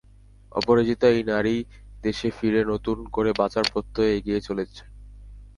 অপরাজিতা এই নারী দেশে ফিরে নতুন করে বাঁচার প্রত্যয়ে এগিয়ে চলেছেন।